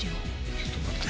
ちょっと待て。